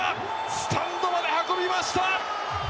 スタンドまで運びました！